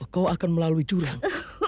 kau akan melalui jurang